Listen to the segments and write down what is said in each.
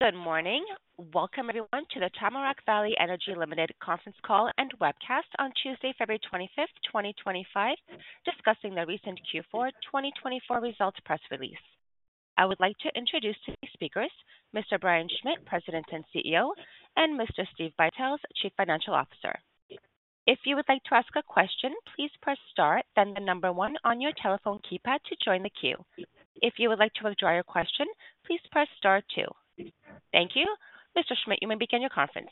Good morning. Welcome, everyone, to the Tamarack Valley Energy Ltd Conference Call and webcast on Tuesday, February 25th, 2025, discussing the recent Q4 2024 results press release. I would like to introduce today's speakers: Mr. Brian Schmidt, President and CEO, and Mr. Steve Buytels, Chief Financial Officer. If you would like to ask a question, please press star, then the number one on your telephone keypad to join the queue. If you would like to withdraw your question, please press star two. Thank you. Mr. Schmidt, you may begin your conference.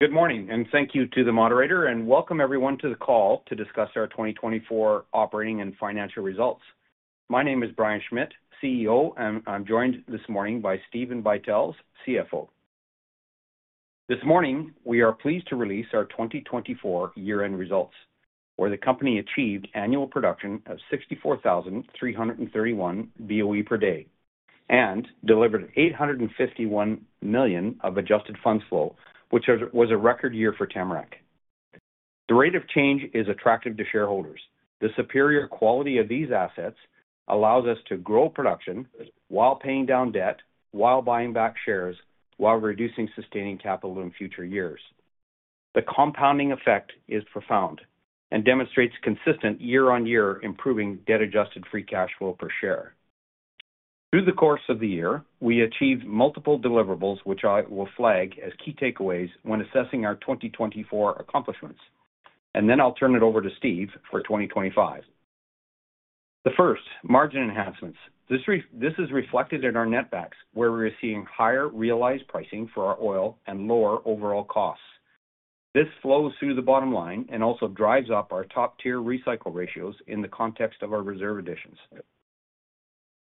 Good morning, and thank you to the moderator, and welcome, everyone, to the call to discuss our 2024 operating and financial results. My name is Brian Schmidt, CEO, and I'm joined this morning by Steve Buytels, CFO. This morning, we are pleased to release our 2024 year-end results, where the company achieved annual production of 64,331 BOE per day and delivered 851 million of adjusted funds flow, which was a record year for Tamarack. The rate of change is attractive to shareholders. The superior quality of these assets allows us to grow production while paying down debt, while buying back shares, while reducing sustaining capital in future years. The compounding effect is profound and demonstrates consistent year-on-year improving debt-adjusted free cash flow per share. Through the course of the year, we achieved multiple deliverables, which I will flag as key takeaways when assessing our 2024 accomplishments. Then I'll turn it over to Steve for 2025. The first, margin enhancements. This is reflected in our netbacks, where we are seeing higher realized pricing for our oil and lower overall costs. This flows through the bottom line and also drives up our top-tier recycle ratios in the context of our reserve additions.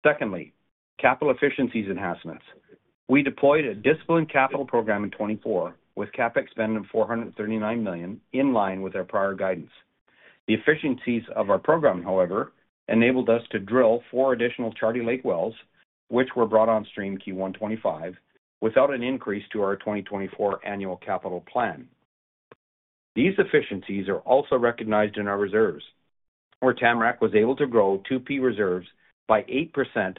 Secondly, capital efficiencies enhancements. We deployed a disciplined capital program in 2024 with CapEx of 439 million, in line with our prior guidance. The efficiencies of our program, however, enabled us to drill four additional Charlie Lake wells, which were brought on stream Q1 2025, without an increase to our 2024 annual capital plan. These efficiencies are also recognized in our reserves, where Tamarack was able to grow 2P reserves by 8%,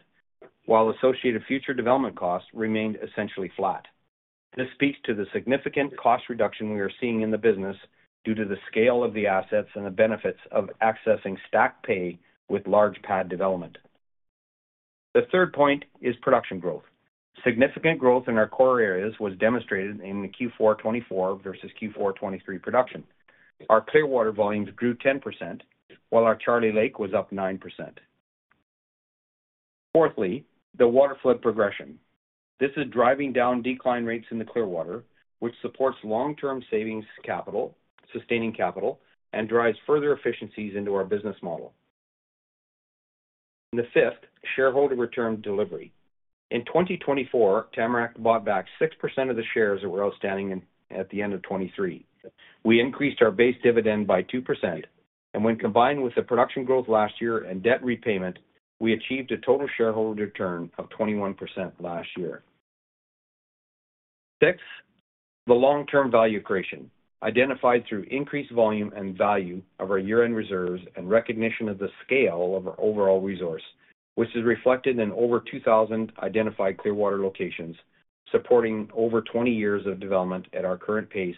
while associated future development costs remained essentially flat. This speaks to the significant cost reduction we are seeing in the business due to the scale of the assets and the benefits of accessing stack pay with large pad development. The third point is production growth. Significant growth in our core areas was demonstrated in the Q4 2024 versus Q4 2023 production. Our Clearwater volumes grew 10%, while our Charlie Lake was up 9%. Fourthly, the waterflood progression. This is driving down decline rates in the Clearwater, which supports long-term sustaining capital, sustaining capital, and drives further efficiencies into our business model. The fifth, shareholder return delivery. In 2024, Tamarack bought back 6% of the shares that were outstanding at the end of 2023. We increased our base dividend by 2%, and when combined with the production growth last year and debt repayment, we achieved a total shareholder return of 21% last year. Sixth, the long-term value creation, identified through increased volume and value of our year-end reserves and recognition of the scale of our overall resource, which is reflected in over 2,000 identified Clearwater locations, supporting over 20 years of development at our current pace,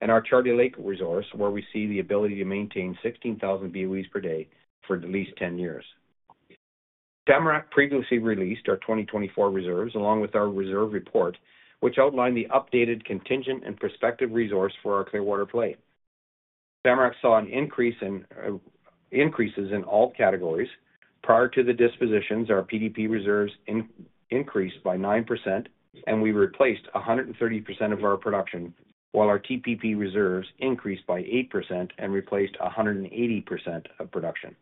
and our Charlie Lake resource, where we see the ability to maintain 16,000 BOEs per day for at least 10 years. Tamarack previously released our 2024 reserves, along with our reserve report, which outlined the updated contingent and prospective resource for our Clearwater play. Tamarack saw an increase in all categories. Prior to the dispositions, our PDP reserves increased by 9%, and we replaced 130% of our production, while our TPP reserves increased by 8% and replaced 180% of production.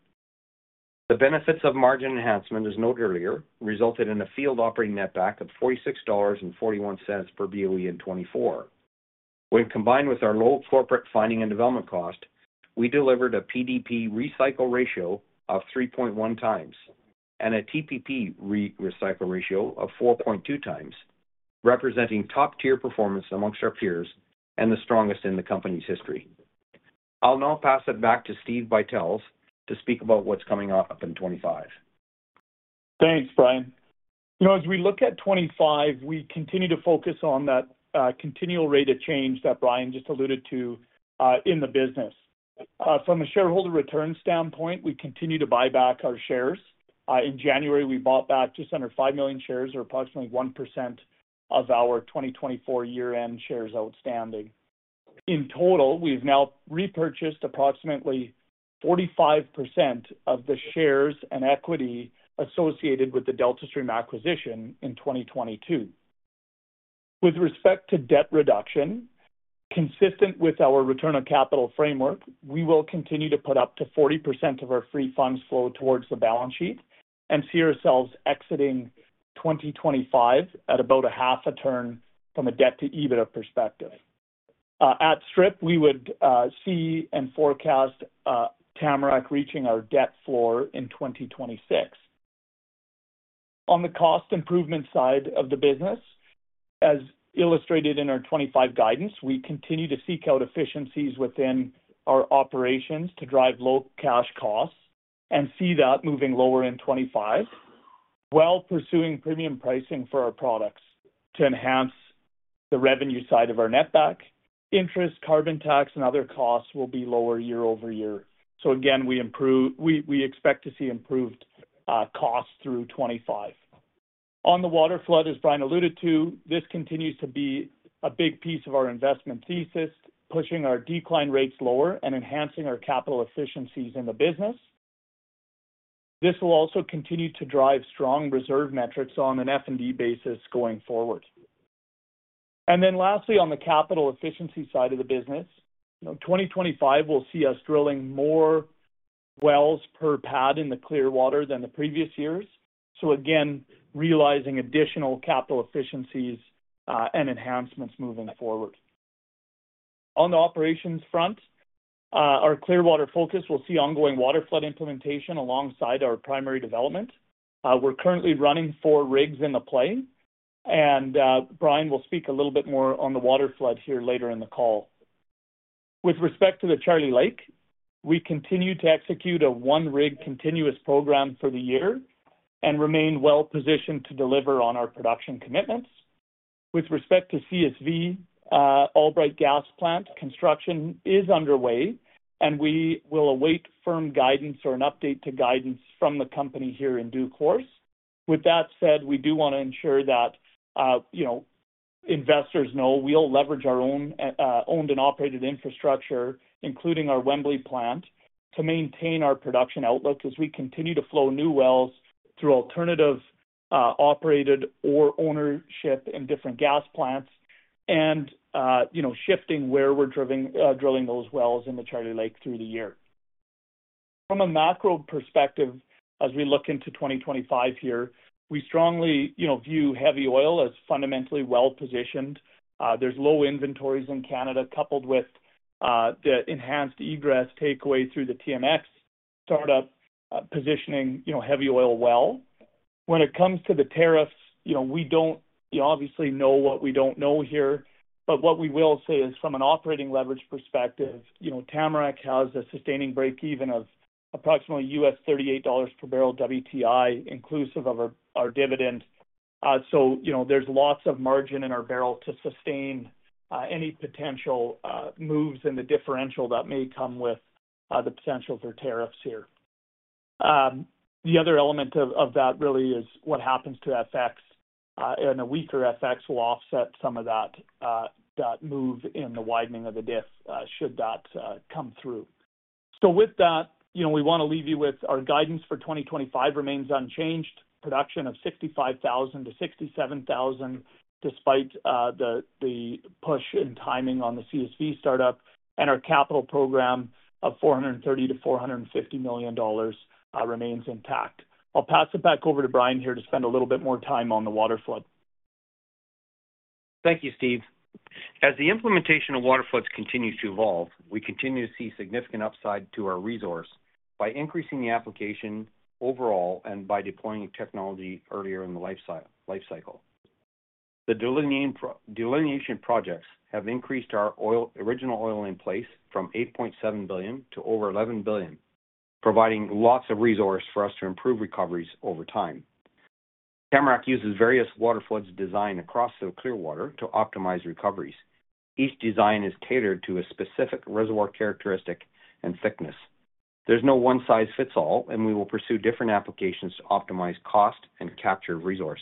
The benefits of margin enhancement, as noted earlier, resulted in a field operating netback of 46.41 dollars per BOE in 2024. When combined with our low corporate finding and development cost, we delivered a PDP recycle ratio of 3.1 times and a TPP recycle ratio of 4.2 times, representing top-tier performance among our peers and the strongest in the company's history. I'll now pass it back to Steve Buytels to speak about what's coming up in 2025. Thanks, Brian. As we look at 2025, we continue to focus on that continual rate of change that Brian just alluded to in the business. From a shareholder return standpoint, we continue to buy back our shares. In January, we bought back just under 5 million shares, or approximately 1% of our 2024 year-end shares outstanding. In total, we've now repurchased approximately 45% of the shares and equity associated with the Delta Stream acquisition in 2022. With respect to debt reduction, consistent with our return of capital framework, we will continue to put up to 40% of our free funds flow towards the balance sheet and see ourselves exiting 2025 at about a half a turn from a debt-to-EBITDA perspective. At strip, we would see and forecast Tamarack reaching our debt floor in 2026. On the cost improvement side of the business, as illustrated in our 2025 guidance, we continue to seek out efficiencies within our operations to drive low cash costs and see that moving lower in 2025, while pursuing premium pricing for our products to enhance the revenue side of our netback. Interest, carbon tax, and other costs will be lower year-over-year. So again, we expect to see improved costs through 2025. On the waterflood, as Brian alluded to, this continues to be a big piece of our investment thesis, pushing our decline rates lower and enhancing our capital efficiencies in the business. This will also continue to drive strong reserve metrics on an F&D basis going forward. And then lastly, on the capital efficiency side of the business, 2025 will see us drilling more wells per pad in the Clearwater than the previous years. So again, realizing additional capital efficiencies and enhancements moving forward. On the operations front, our Clearwater focus will see ongoing waterflood implementation alongside our primary development. We're currently running four rigs in the play, and Brian will speak a little bit more on the waterflood here later in the call. With respect to the Charlie Lake, we continue to execute a one-rig continuous program for the year and remain well-positioned to deliver on our production commitments. With respect to CSV, Albright Gas Plant construction is underway, and we will await firm guidance or an update to guidance from the company here in due course. With that said, we do want to ensure that investors know we'll leverage our owned and operated infrastructure, including our Wembley plant, to maintain our production outlook as we continue to flow new wells through alternative-operated or ownership in different gas plants and shifting where we're drilling those wells in the Charlie Lake through the year. From a macro perspective, as we look into 2025 here, we strongly view heavy oil as fundamentally well-positioned. There's low inventories in Canada, coupled with the enhanced egress takeaway through the TMX startup, positioning heavy oil well. When it comes to the tariffs, we don't obviously know what we don't know here, but what we will say is, from an operating leverage perspective, Tamarack has a sustaining break-even of approximately $38 per barrel WTI, inclusive of our dividend. So there's lots of margin in our barrel to sustain any potential moves in the differential that may come with the potential for tariffs here. The other element of that really is what happens to FX. And a weaker FX will offset some of that move in the widening of the diff should that come through. So with that, we want to leave you with our guidance for 2025 remains unchanged: production of 65,000-67,000 despite the push in timing on the CSV startup, and our capital program of $430-$450 million remains intact. I'll pass it back over to Brian here to spend a little bit more time on the waterflood. Thank you, Steve. As the implementation of waterfloods continues to evolve, we continue to see significant upside to our resource by increasing the application overall and by deploying technology earlier in the lifecycle. The delineation projects have increased our original oil in place from 8.7 billion to over 11 billion, providing lots of resource for us to improve recoveries over time. Tamarack uses various waterfloods designed across the Clearwater to optimize recoveries. Each design is catered to a specific reservoir characteristic and thickness. There's no one-size-fits-all, and we will pursue different applications to optimize cost and capture resource.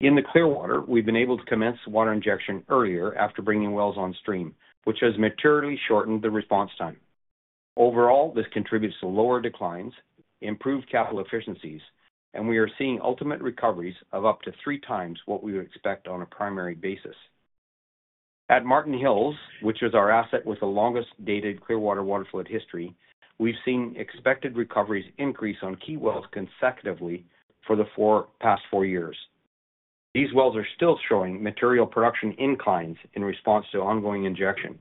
In the Clearwater, we've been able to commence water injection earlier after bringing wells on stream, which has materially shortened the response time. Overall, this contributes to lower declines, improved capital efficiencies, and we are seeing ultimate recoveries of up to three times what we would expect on a primary basis. At Marten Hills, which is our asset with the longest dated Clearwater waterflood history, we've seen expected recoveries increase on key wells consecutively for the past four years. These wells are still showing material production inclines in response to ongoing injection.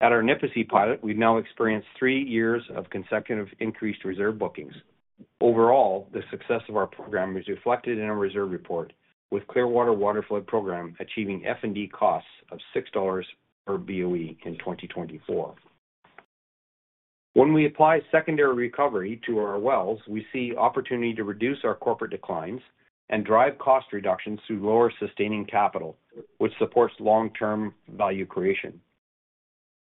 At our Nipissi pilot, we've now experienced three years of consecutive increased reserve bookings. Overall, the success of our program is reflected in our reserve report, with Clearwater waterflood program achieving F&D costs of $6 per BOE in 2024. When we apply secondary recovery to our wells, we see opportunity to reduce our corporate declines and drive cost reductions through lower sustaining capital, which supports long-term value creation.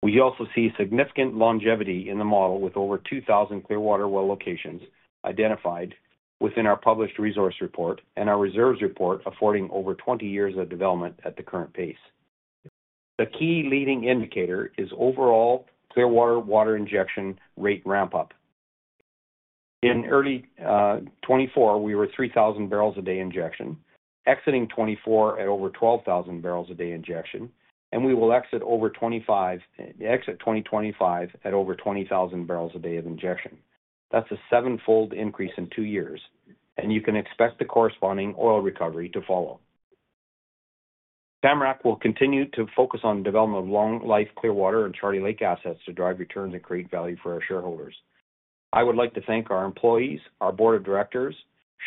We also see significant longevity in the model with over 2,000 Clearwater well locations identified within our published resource report and our reserves report affording over 20 years of development at the current pace. The key leading indicator is overall Clearwater water injection rate ramp-up. In early 2024, we were 3,000 barrels a day injection, exiting 2024 at over 12,000 barrels a day injection, and we will exit 2025 at over 20,000 barrels a day of injection. That's a seven-fold increase in two years, and you can expect the corresponding oil recovery to follow. Tamarack will continue to focus on the development of long-life Clearwater and Charlie Lake assets to drive returns and create value for our shareholders. I would like to thank our employees, our board of directors,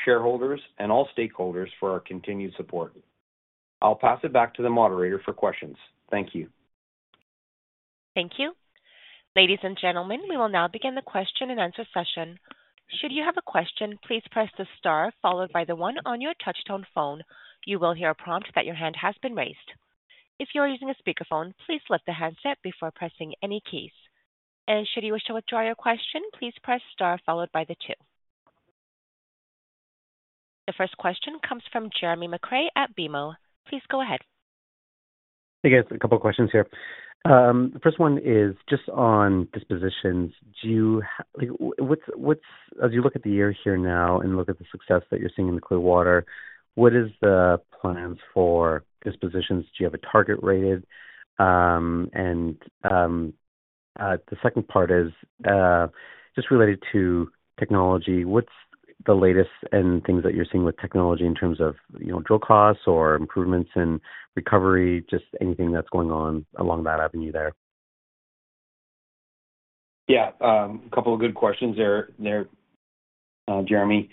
shareholders, and all stakeholders for our continued support. I'll pass it back to the moderator for questions. Thank you. Thank you. Ladies and gentlemen, we will now begin the question-and-answer session. Should you have a question, please press the star followed by the one on your touch-tone phone. You will hear a prompt that your hand has been raised. If you are using a speakerphone, please lift the handset before pressing any keys. And should you wish to withdraw your question, please press star followed by the two. The first question comes from Jeremy McCrea at BMO. Please go ahead. Hey, guys. A couple of questions here. The first one is just on dispositions. As you look at the year here now and look at the success that you're seeing in the Clearwater, what are the plans for dispositions? Do you have a target rate? And the second part is just related to technology, what's the latest and things that you're seeing with technology in terms of drill costs or improvements in recovery? Just anything that's going on along that avenue there. Yeah. A couple of good questions there, Jeremy.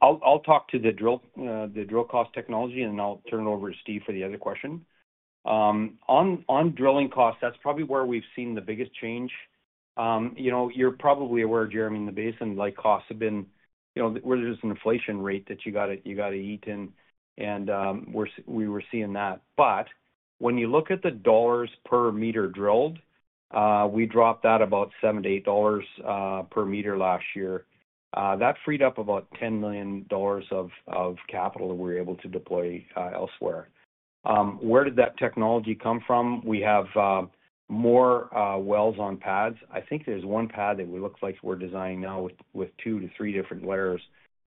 I'll talk to the drill cost technology, and then I'll turn it over to Steve for the other question. On drilling costs, that's probably where we've seen the biggest change. You're probably aware, Jeremy, in the basin, like costs have been where there's an inflation rate that you got to eat in, and we were seeing that. But when you look at the dollars per meter drilled, we dropped that about 7-8 dollars per meter last year. That freed up about 10 million dollars of capital that we were able to deploy elsewhere. Where did that technology come from? We have more wells on pads. I think there's one pad that we look like we're designing now with two to three different layers.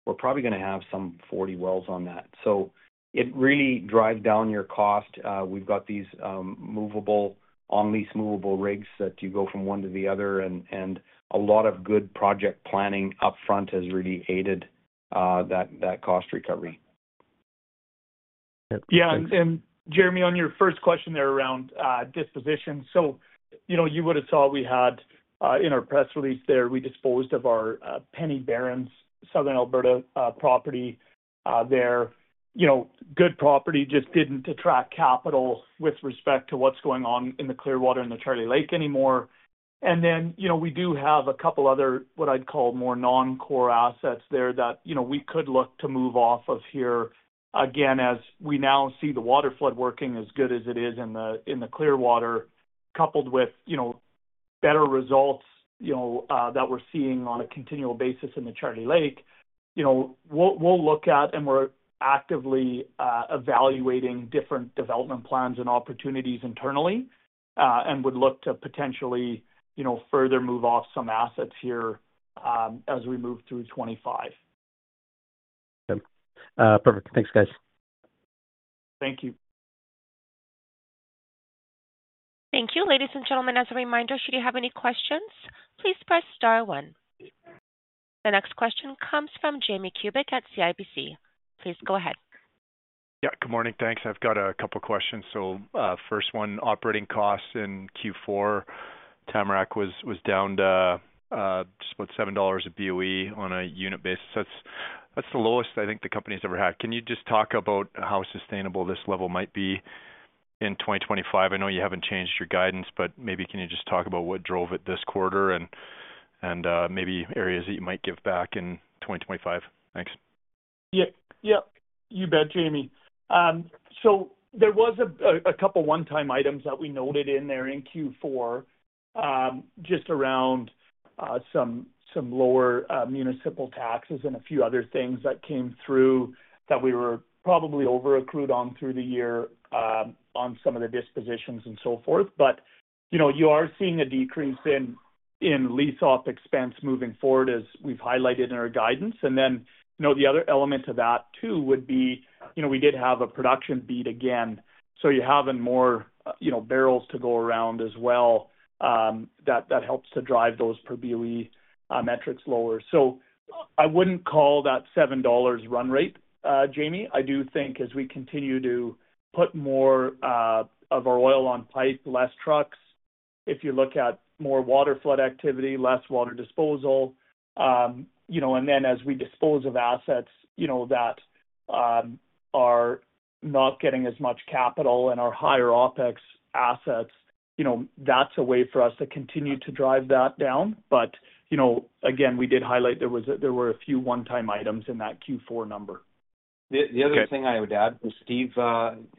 We're probably going to have some 40 wells on that. So it really drives down your cost. We've got these movable, on-lease movable rigs that you go from one to the other, and a lot of good project planning upfront has really aided that cost recovery. Yeah. And Jeremy, on your first question there around disposition, so you would have saw we had in our press release there, we disposed of our Penny Barons, Southern Alberta property there. Good property just didn't attract capital with respect to what's going on in the Clearwater in the Charlie Lake anymore. And then we do have a couple of other, what I'd call, more non-core assets there that we could look to move off of here. Again, as we now see the waterflood working as good as it is in the Clearwater, coupled with better results that we're seeing on a continual basis in the Charlie Lake, we'll look at and we're actively evaluating different development plans and opportunities internally and would look to potentially further move off some assets here as we move through 2025. Okay. Perfect. Thanks, guys. Thank you. Thank you. Ladies and gentlemen, as a reminder, should you have any questions, please press star one. The next question comes from Jamie Kubik at CIBC. Please go ahead. Yeah. Good morning. Thanks. I've got a couple of questions. So first one, operating costs in Q4, Tamarack was down to just about $7 a BOE on a unit basis. That's the lowest I think the company's ever had. Can you just talk about how sustainable this level might be in 2025? I know you haven't changed your guidance, but maybe can you just talk about what drove it this quarter and maybe areas that you might give back in 2025? Thanks. Yeah. Yeah. You bet, Jamie. So there was a couple of one-time items that we noted in there in Q4 just around some lower municipal taxes and a few other things that came through that we were probably over-accrued on through the year on some of the dispositions and so forth. But you are seeing a decrease in lease operating expense moving forward as we've highlighted in our guidance. And then the other element to that too would be we did have a production beat again. So you're having more barrels to go around as well. That helps to drive those per BOE metrics lower. So I wouldn't call that $7 run rate, Jamie. I do think as we continue to put more of our oil on pipe, less trucks, if you look at more waterflood activity, less water disposal. And then as we dispose of assets that are not getting as much capital and are higher OpEx assets, that's a way for us to continue to drive that down. But again, we did highlight there were a few one-time items in that Q4 number. The other thing I would add, Steve,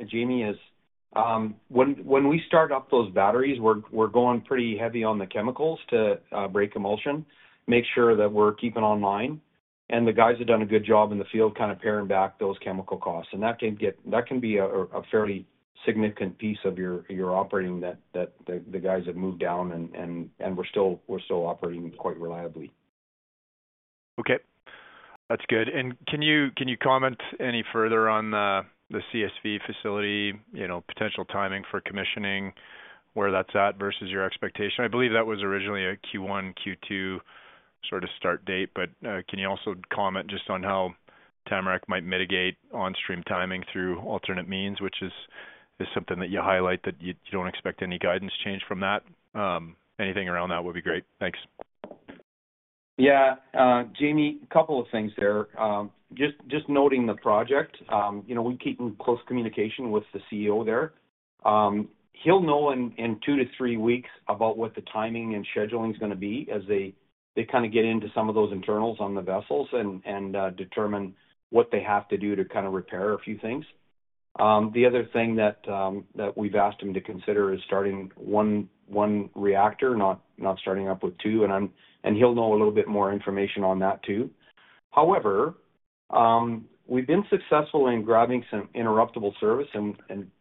Jamie, is when we start up those batteries, we're going pretty heavy on the chemicals to break emulsion, make sure that we're keeping online. And the guys have done a good job in the field kind of paring back those chemical costs. And that can be a fairly significant piece of your operating that the guys have moved down, and we're still operating quite reliably. Okay. That's good. And can you comment any further on the CSV facility, potential timing for commissioning, where that's at versus your expectation? I believe that was originally a Q1, Q2 sort of start date. But can you also comment just on how Tamarack might mitigate on-stream timing through alternate means, which is something that you highlight that you don't expect any guidance change from that? Anything around that would be great. Thanks. Yeah. Jamie, a couple of things there. Just noting the project, we're keeping close communication with the CEO there. He'll know in two to three weeks about what the timing and scheduling is going to be as they kind of get into some of those internals on the vessels and determine what they have to do to kind of repair a few things. The other thing that we've asked him to consider is starting one reactor, not starting up with two. And he'll know a little bit more information on that too. However, we've been successful in grabbing some interruptible service in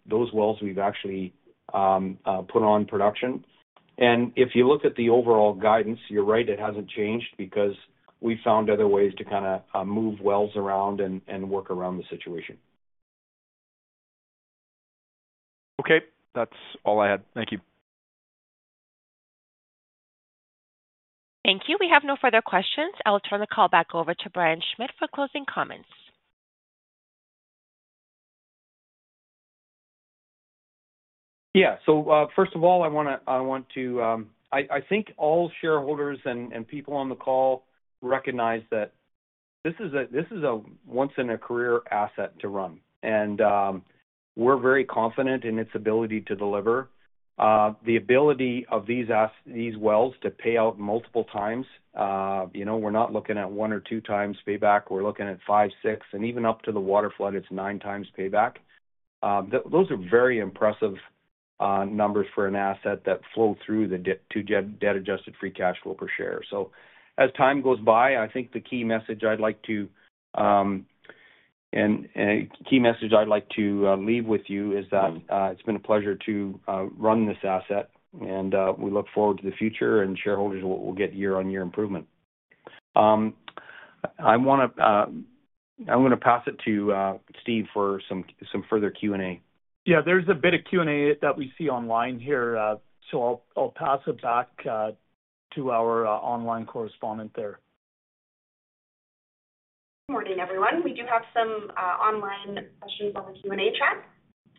those wells we've actually put on production. And if you look at the overall guidance, you're right, it hasn't changed because we found other ways to kind of move wells around and work around the situation. Okay. That's all I had. Thank you. Thank you. We have no further questions. I'll turn the call back over to Brian Schmidt for closing comments. Yeah. So first of all, I want to. I think all shareholders and people on the call recognize that this is a once-in-a-career asset to run. And we're very confident in its ability to deliver. The ability of these wells to pay out multiple times. We're not looking at one or two times payback. We're looking at five, six, and even up to the waterflood, it's nine times payback. Those are very impressive numbers for an asset that flow through to debt-adjusted free cash flow per share. So as time goes by, I think the key message I'd like to leave with you is that it's been a pleasure to run this asset, and we look forward to the future and shareholders will get year-on-year improvement. I'm going to pass it to Steve for some further Q&A. Yeah. There's a bit of Q&A that we see online here. So I'll pass it back to our online correspondent there. Good morning, everyone. We do have some online questions on the Q&A chat,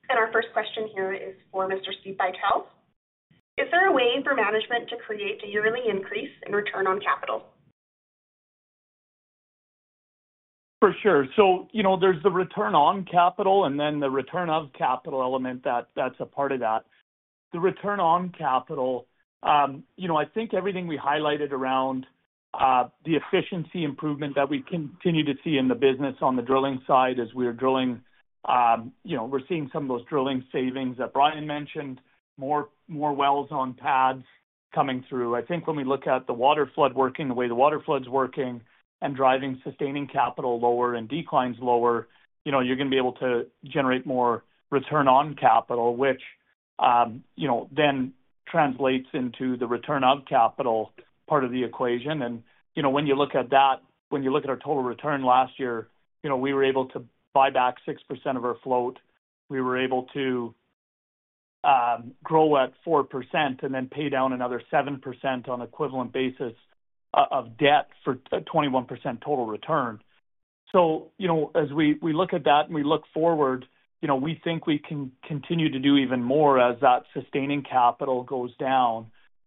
and our first question here is for Mr. Steve Buytels. Is there a way for management to create a yearly increase in return on capital? For sure, so there's the return on capital and then the return of capital element that's a part of that. The return on capital, I think everything we highlighted around the efficiency improvement that we continue to see in the business on the drilling side as we're drilling, we're seeing some of those drilling savings that Brian mentioned, more wells on pads coming through. I think when we look at the waterflood working, the way the waterflood's working and driving sustaining capital lower and declines lower, you're going to be able to generate more return on capital, which then translates into the return on capital part of the equation, and when you look at that, when you look at our total return last year, we were able to buy back 6% of our float. We were able to grow at 4% and then pay down another 7% on an equivalent basis of debt for a 21% total return. So as we look at that and we look forward, we think we can continue to do even more as that sustaining capital goes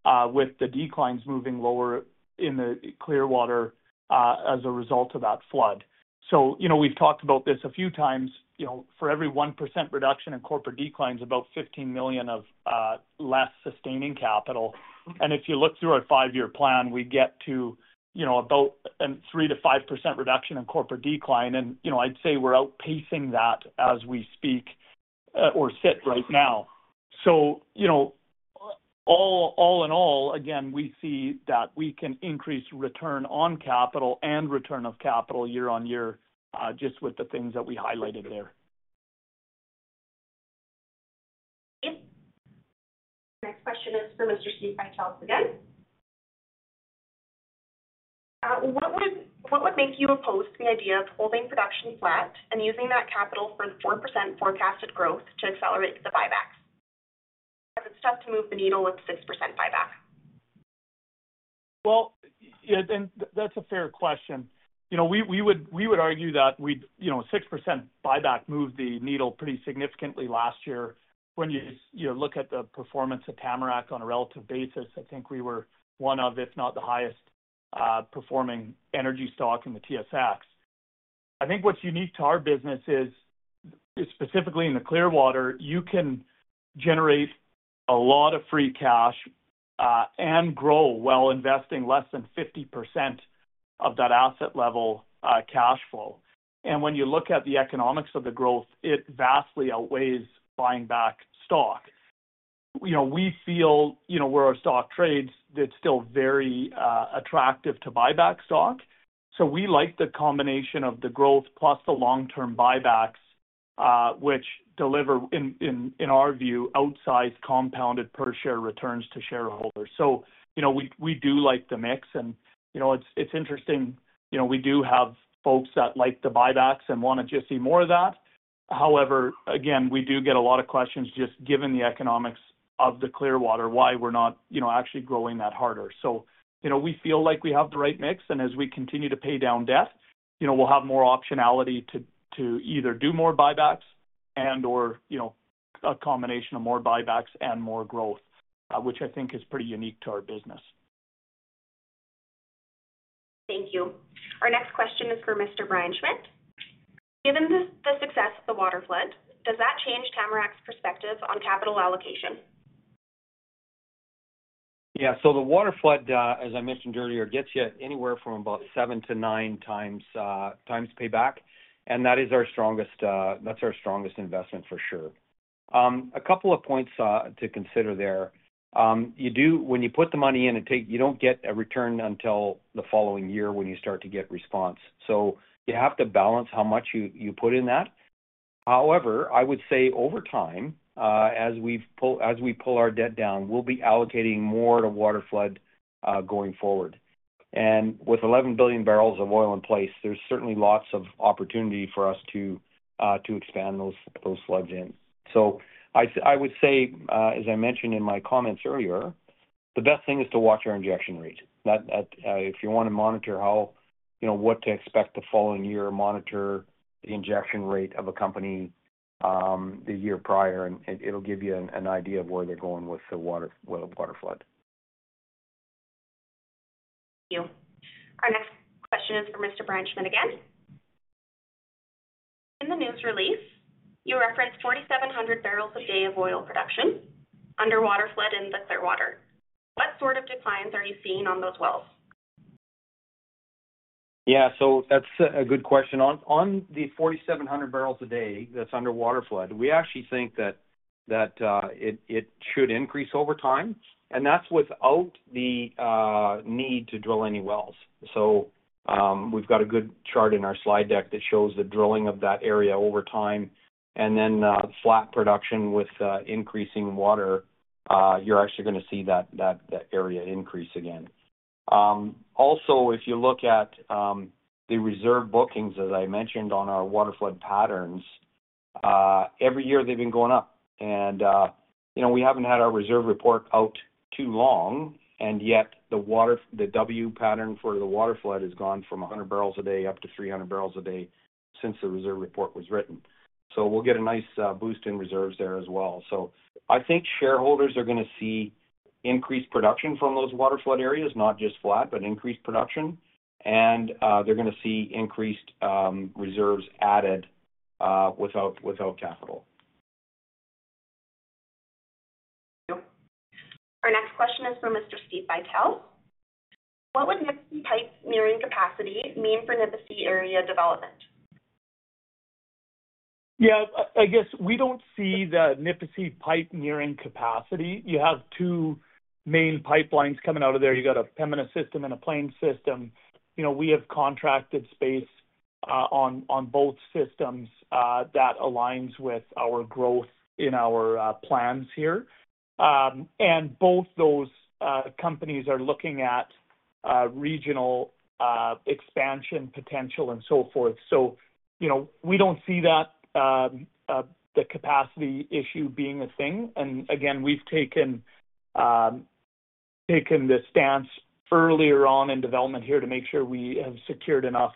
down with the declines moving lower in the Clearwater as a result of that waterflood. So we've talked about this a few times. For every 1% reduction in corporate declines, about 15 million of less sustaining capital. And if you look through our five-year plan, we get to about a 3%-5% reduction in corporate decline. And I'd say we're outpacing that as we speak or sit right now. So all in all, again, we see that we can increase return on capital and return of capital year-on-year just with the things that we highlighted there. Next question is for Mr. Steve Buytels again. What would make you oppose the idea of holding production flat and using that capital for the 4% forecasted growth to accelerate the buyback? Is it tough to move the needle with 6% buyback? That's a fair question. We would argue that 6% buyback moved the needle pretty significantly last year. When you look at the performance of Tamarack on a relative basis, I think we were one of, if not the highest-performing energy stock in the TSX. I think what's unique to our business is specifically in the Clearwater, you can generate a lot of free cash and grow while investing less than 50% of that asset-level cash flow. When you look at the economics of the growth, it vastly outweighs buying back stock. We feel where our stock trades, it's still very attractive to buy back stock. We like the combination of the growth plus the long-term buybacks, which deliver, in our view, outsized compounded per-share returns to shareholders. We do like the mix. It's interesting. We do have folks that like the buybacks and want to just see more of that. However, again, we do get a lot of questions just given the economics of the Clearwater, why we're not actually growing that harder. So we feel like we have the right mix, and as we continue to pay down debt, we'll have more optionality to either do more buybacks and/or a combination of more buybacks and more growth, which I think is pretty unique to our business. Thank you. Our next question is for Mr. Brian Schmidt. Given the success of the waterflood, does that change Tamarack's perspective on capital allocation? Yeah. So the waterflood, as I mentioned earlier, gets you anywhere from about seven to nine times payback. And that is our strongest investment for sure. A couple of points to consider there. When you put the money in, you don't get a return until the following year when you start to get response. So you have to balance how much you put in that. However, I would say over time, as we pull our debt down, we'll be allocating more to waterflood going forward. And with 11 billion barrels of oil in place, there's certainly lots of opportunity for us to expand those floods in. So I would say, as I mentioned in my comments earlier, the best thing is to watch our injection rate. If you want to monitor what to expect the following year, monitor the injection rate of a company the year prior, and it'll give you an idea of where they're going with the waterflood. Thank you. Our next question is for Mr. Brian Schmidt again. In the news release, you referenced 4,700 barrels a day of oil production under waterflood in the Clearwater. What sort of declines are you seeing on those wells? Yeah. So that's a good question. On the 4,700 barrels a day that's under waterflood, we actually think that it should increase over time. And that's without the need to drill any wells. So we've got a good chart in our slide deck that shows the drilling of that area over time. And then flat production with increasing water, you're actually going to see that area increase again. Also, if you look at the reserve bookings, as I mentioned on our waterflood patterns, every year they've been going up. And we haven't had our reserve report out too long, and yet the our pattern for the waterflood has gone from 100 barrels a day up to 300 barrels a day since the reserve report was written. So we'll get a nice boost in reserves there as well. So I think shareholders are going to see increased production from those waterflood areas, not just flat, but increased production. And they're going to see increased reserves added without capital. Thank you. Our next question is for Mr. Steve Buytels. What would Nipissi pipeline nearing capacity mean for Nipissi area development? Yeah. I guess we don't see the Nipissi pipeline nearing capacity. You have two main pipelines coming out of there. You've got a Pembina system and a Plains system. We have contracted space on both systems that aligns with our growth in our plans here. And both those companies are looking at regional expansion potential and so forth. So we don't see that the capacity issue being a thing. And again, we've taken the stance earlier on in development here to make sure we have secured enough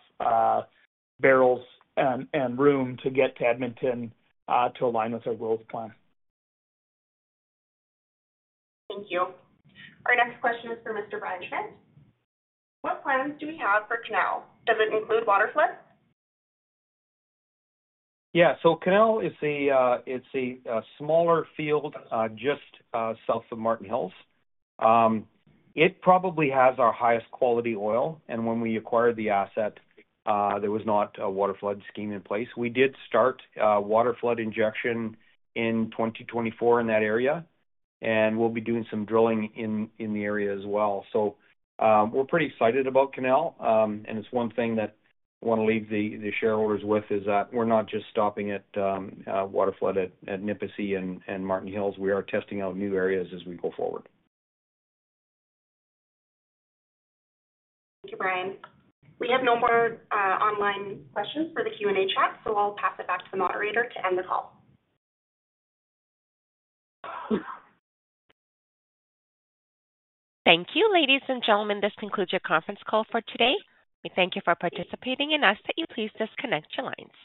barrels and room to get to Edmonton to align with our growth plan. Thank you. Our next question is for Mr. Brian Schmidt. What plans do we have for Canal? Does it include waterflood? Yeah. So Canal is a smaller field just south of Martin Hills. It probably has our highest quality oil. And when we acquired the asset, there was not a waterflood scheme in place. We did start waterflood injection in 2024 in that area. And we'll be doing some drilling in the area as well. So we're pretty excited about Canal. And it's one thing that I want to leave the shareholders with is that we're not just stopping at waterflood at Nipissi and Martin Hills. We are testing out new areas as we go forward. Thank you, Brian. We have no more online questions for the Q&A chat, so I'll pass it back to the moderator to end the call. Thank you, ladies and gentlemen. This concludes your conference call for today. We thank you for participating and ask that you please disconnect your lines.